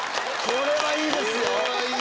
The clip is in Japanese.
これはいいですよ。